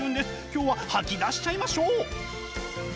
今日は吐き出しちゃいましょう！